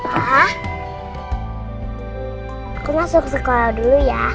aku masuk sekolah dulu ya